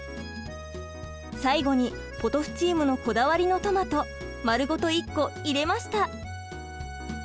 最後にポトフチームのこだわりのトマト丸ごと１個入れました。